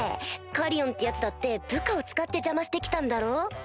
カリオンってヤツだって部下を使って邪魔して来たんだろ？